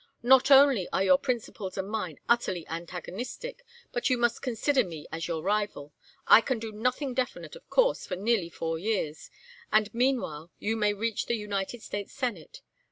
Not only are your principles and mine utterly antagonistic, but you must consider me as your rival. I can do nothing definite, of course, for nearly four years, and meanwhile you may reach the United States Senate.